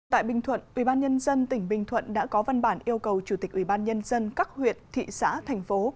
tại bình thuận ubnd tỉnh bình thuận đã có văn bản yêu cầu chủ tịch ubnd các huyện thị xã thành phố